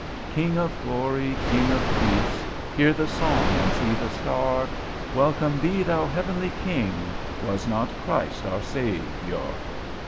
"King of glory, king of peace!" "Hear the song, and see the Star!" "Welcome be thou, heavenly King!" "Was not Christ our Saviour?"